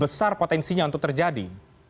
besar potensinya untuk terjadi